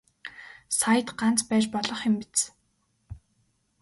Саяд ганц байж болох юм биз.